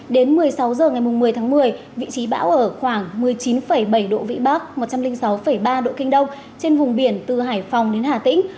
đến một mươi sáu h ngày một mươi tháng một mươi vị trí bão ở khoảng một mươi chín bảy độ vĩ bắc một trăm linh sáu ba độ kinh đông trên vùng biển từ hải phòng đến hà tĩnh